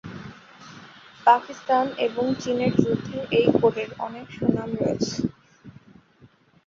পাকিস্তান এবং চীনের সঙ্গে যুদ্ধে এই কোরের অনেক সুনাম রয়েছে।